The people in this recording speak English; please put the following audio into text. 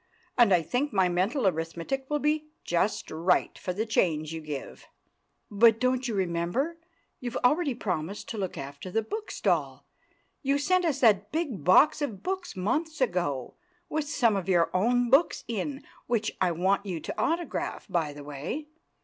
And I think my mental arithmetic will be just right for the change you give." "But, don't you remember, you've already promised to look after the bookstall? You sent us that big box of books months ago, with some of your own books in—which I want you to autograph, by the way.